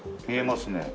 見えますね。